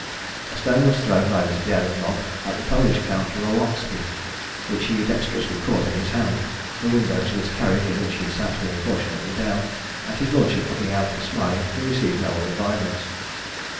A stone was thrown by this daring mob at the Polish Count Rawotski, which he dexterously caught in his hand, the windows of his carriage in which he sat being fortunately down; and his lordship looking out and smiling, he received no other violence.